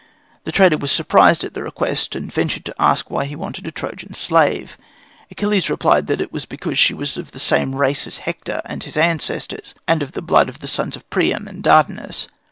The trader was surprised at the request, and ventured to ask why he wanted a Trojan slave. Achilles replied that it was because she was of the same race as Hector and his ancestors, and of the blood of the sons of Priam and Dardanus.